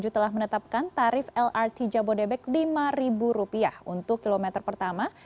telah menetapkan tarif lrt jabodebek rp lima untuk kilometer pertama